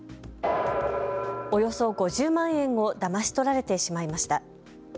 およそ５０万円をだまし取られてしまいました。